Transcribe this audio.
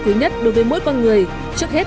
quý nhất đối với mỗi con người trước hết